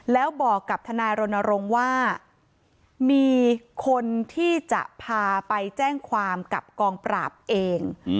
แล้วบอกกับทนายรณรงค์ว่ามีคนที่จะพาไปแจ้งความกับกองปราบเอง